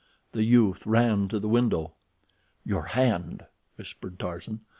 The youth ran to the window. "Your hand," whispered Tarzan.